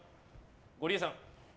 ゴリエさん。